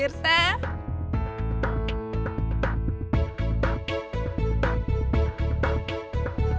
pertama kali menilai peserta